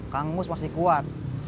kang mus masih kuat